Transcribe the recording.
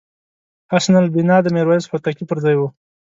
حسن البناء د میرویس هوتکي پرځای وو.